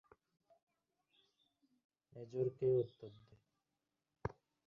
খাটা বন্ধ করো।